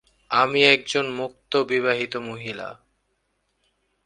আমি একজন মুক্ত বিবাহিত মহিলা।